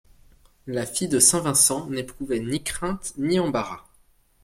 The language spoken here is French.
La fille de Saint-Vincent n'éprouvait ni crainte ni embarras.